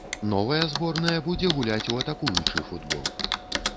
Новая зборная будзе гуляць у атакуючы футбол.